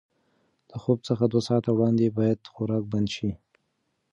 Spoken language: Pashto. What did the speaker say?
د خوب څخه دوه ساعته وړاندې باید خوراک بند کړل شي.